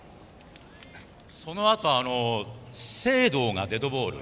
そのあと、清藤がデッドボール。